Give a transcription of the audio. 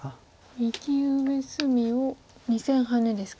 右上隅を２線ハネですか。